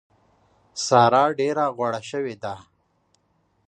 سارا ډېره غوړه شوې ده.